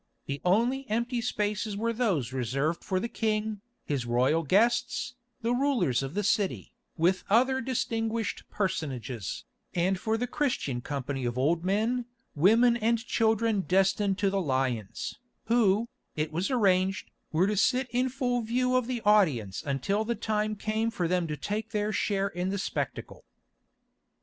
The only empty spaces were those reserved for the king, his royal guests, the rulers of the city, with other distinguished personages, and for the Christian company of old men, women and children destined to the lions, who, it was arranged, were to sit in full view of the audience until the time came for them to take their share in the spectacle.